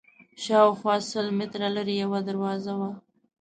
شاوخوا سل متره لرې یوه دروازه وه.